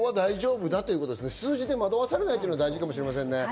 数字に惑わされないことが大事かもしれませんね。